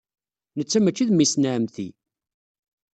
Netta maci d memmi-s n ɛemmti.